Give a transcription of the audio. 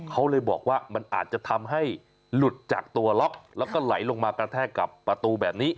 เขาเลยบอกว่ามันอาจจะทำให้หลุดจากตัวล็อกแล้วก็ไหลลงมากระแทกกับประตูแบบนี้